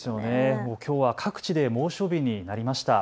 きょうは各地で猛暑日になりました。